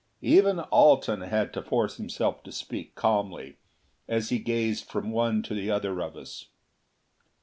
Even Alten had to force himself to speak calmly, as he gazed from one to the other of us.